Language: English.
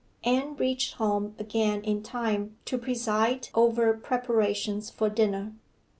Anne reached home again in time to preside over preparations for dinner.